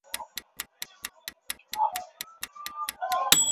后期的小马版套件的版本也包含了不锈钢排气管和电动司机座椅。